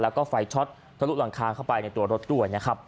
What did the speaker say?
แล้วก็ไฟช็อตทะลุหลังคาเข้าไปในตัวรถด้วยนะครับ